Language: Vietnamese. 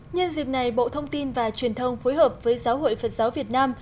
nhân dịp này bộ thông tin và truyền thông phối hợp với giáo hội phật giáo việt nam